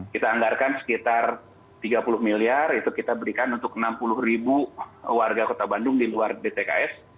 kita anggarkan sekitar tiga puluh miliar itu kita berikan untuk enam puluh ribu warga kota bandung di luar dtks